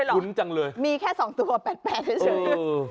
หุ้นจังเลยมีแค่๒ตัว๘๘ได้เฉยหุ้นหุ้นหุ้น